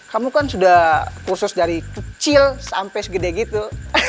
kamu kan sudah khusus dari kecil sampai segede gitu